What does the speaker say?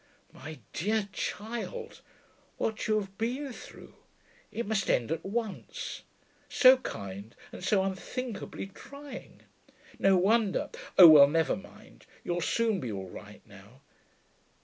'My dear child what you have been through! It must end at once. So kind, and so unthinkably trying! No wonder oh well, never mind, you'll soon be all right now....